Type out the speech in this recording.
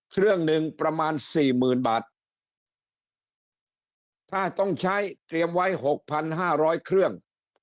เครื่องหนึ่งประมาณสี่หมื่นบาทถ้าต้องใช้เตรียมไว้หกพันห้าร้อยเครื่อง